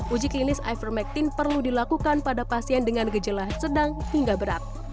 uji klinis ivermectin perlu dilakukan pada pasien dengan gejala sedang hingga berat